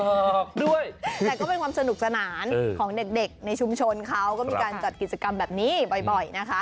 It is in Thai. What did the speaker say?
ออกด้วยแต่ก็เป็นความสนุกสนานของเด็กในชุมชนเขาก็มีการจัดกิจกรรมแบบนี้บ่อยนะคะ